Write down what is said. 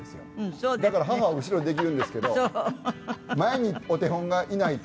だから母は後ろでできるんですけど前にお手本がいないと。